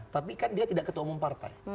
tapi kan dia tidak ketua umum partai